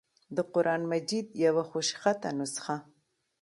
دَقرآن مجيد يوه خوشخطه نسخه